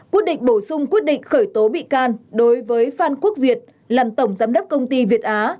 quyết định bổ sung quyết định khởi tố bị can đối với phan quốc việt làm tổng giám đốc công ty việt á